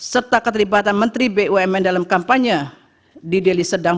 serta keterlibatan menteri bumn dalam kampanye di deli serdang